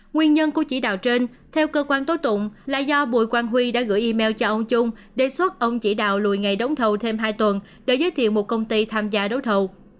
nguyên nhân của chỉ đạo trên theo cơ quan tố tụng là do bùi quang huy đã gửi email cho ông trung đề xuất ông chỉ đạo lùi ngày đấu thầu thêm hai tuần để giới thiệu một công ty tham gia đấu thầu